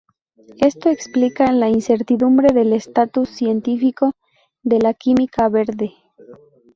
Esto explica la incertidumbre del estatus científico de la química verde.